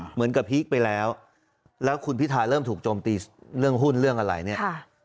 กับพีคไปแล้วแล้วคุณพิธาเริ่มถูกโจมตีเรื่องหุ้นเรื่องอะไรเนี่ย